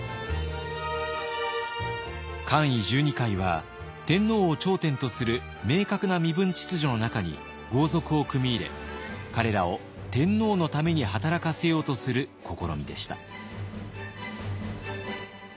冠位十二階は天皇を頂点とする明確な身分秩序の中に豪族を組み入れ彼らを天皇のために働かせようとする試みでした。